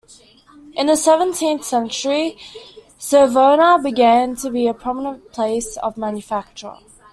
In the seventeenth century Savona began to be a prominent place of manufacture.